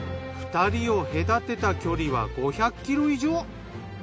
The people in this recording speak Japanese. ２人を隔てた距離は５００ｋｍ以上。